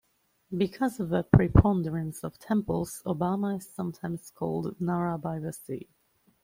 Because of the preponderance of temples, Obama is sometimes called "Nara by the sea".